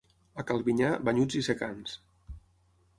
A Calbinyà, banyuts i secants.